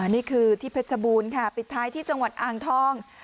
นี่คือที่เพชรบูรณ์ค่ะปิดท้ายที่จังหวัดอ่างทอง